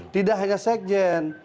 tidak hanya sekjen